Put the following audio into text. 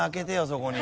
そこに。